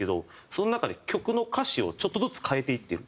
その中で曲の歌詞をちょっとずつ変えていってる。